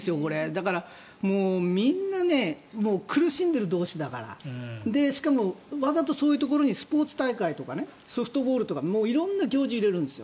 だからみんな苦しんでいる同士だからしかも、わざとそういうところにスポーツ大会とかソフトボールとか色んな行事を入れるんです。